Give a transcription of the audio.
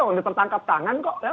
oh dia tertangkap tangan kok ya